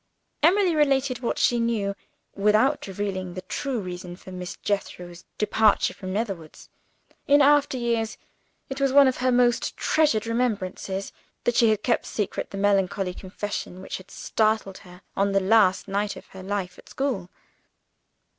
Emily related what she knew; without revealing the true reason for Miss Jethro's departure from Netherwoods. In after years, it was one of her most treasured remembrances, that she had kept secret the melancholy confession which had startled her, on the last night of her life at school.